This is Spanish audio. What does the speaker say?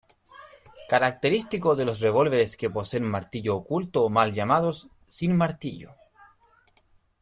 Característico de los revólveres que poseen martillo oculto o mal llamados "sin martillo".